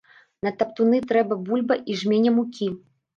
На таптуны трэба бульба й жменя мукі.